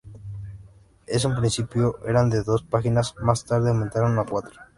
En un principio, eran de dos páginas, más tarde aumentaron a cuatro.